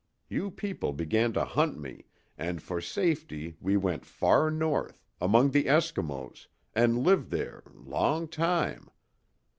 You people began to hunt me, and for safety we went far north among the Eskimos an' lived there long time.